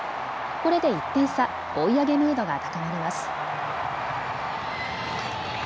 これで１点差、追い上げムードが高まります。